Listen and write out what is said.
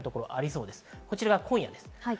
こちらは今夜です。